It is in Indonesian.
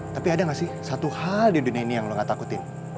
tapi ada gak sih satu hal di dunia ini yang lu gak takutin